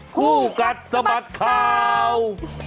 ผู้กัดสมัดข่าว